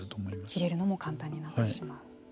切れるのも簡単になってしまう。